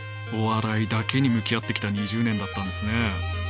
お笑いだけに向き合ってきた２０年だったんですね。